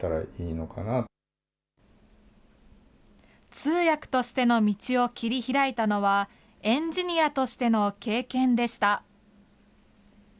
通訳としての道を切り開いたのは、エンジニアとしての経験でした。